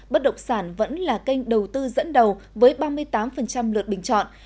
bất động sản vẫn là kênh đầu tư dẫn đầu với ba mươi tám lượt bình chọn